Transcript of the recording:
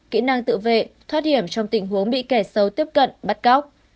kỹ năng tự vệ thoát hiểm trong tình huống bị kẻ xấu tiếp cận bắt cóc